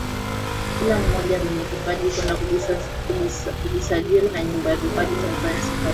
kila mmoja mwenye kipaji kwenda kujisajiri na nyumba ya vipaji Tanzania safari hii